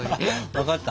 分かった？